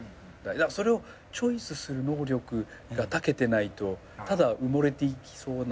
それをチョイスする能力がたけてないとただ埋もれていきそうな。